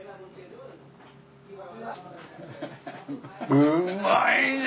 うまいね。